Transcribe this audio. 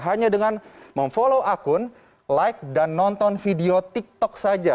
hanya dengan memfollow akun like dan nonton video tiktok saja